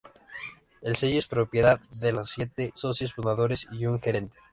El sello es propiedad de los siete socios fundadores y un gerente.